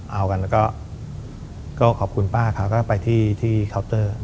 เอากันแล้วก็ขอบคุณป้าเขาก็ไปที่เคาน์เตอร์